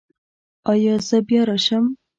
ایا زه بیا راشم؟